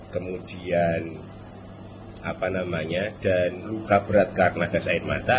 kemudian apa namanya dan luka berat karena gas air mata